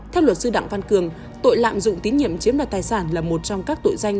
theo luật sư đặng văn cường tội lạm dụng tín nhiệm chiếm đoạt tài sản là một trong các tội danh